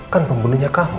kan pembunuhnya kamu